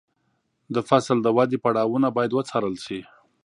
د فصل د ودې پړاوونه باید وڅارل شي.